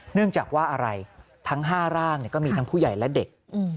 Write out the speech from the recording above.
เนื่องจากว่าอะไรทั้ง๕ร่างก็มีทั้งผู้ใหญ่และเด็ก